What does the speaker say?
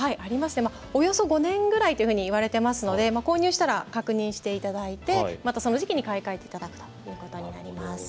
およそ５年ぐらいといわれているので購入したら確認していただいてまた、その時期に買い替えていただくということになります。